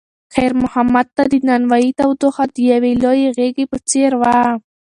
خیر محمد ته د نانوایۍ تودوخه د یوې لویې غېږې په څېر وه.